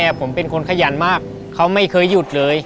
ผมเป็นคนขยันมากเขาไม่เคยหยุดเลย